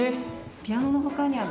ピアノの他には。